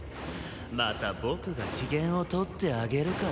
また僕が機嫌を取ってあげるからさ。